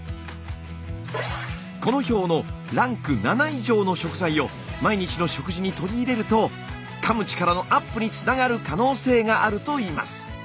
この表のランク７以上の食材を毎日の食事に取り入れるとかむ力のアップにつながる可能性があるといいます。